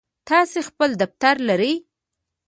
تاسی خپل دفتر لرئ؟